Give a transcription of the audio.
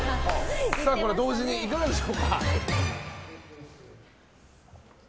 同時にいかがでしょうか。